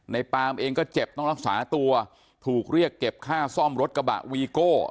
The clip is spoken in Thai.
ปามเองก็เจ็บต้องรักษาตัวถูกเรียกเก็บค่าซ่อมรถกระบะวีโก้